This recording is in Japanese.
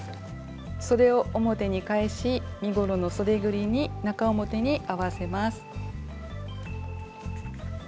そでを表に返し身ごろのそでぐりに中表に合わせます。